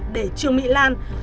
để trường mỹ lan